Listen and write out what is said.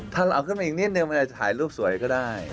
ถ้าเราเอาขึ้นมาอีกนิดนึงมันอาจจะถ่ายรูปสวยก็ได้